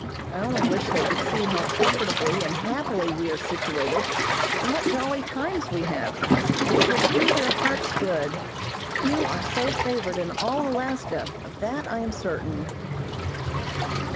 I only wish they could see how comfortably and happily we are situated, and what jolly times we have, for it would do their hearts good. Few are so favored in all Alaska, of that I am certain.